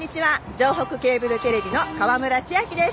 「城北ケーブルテレビの川村千秋です」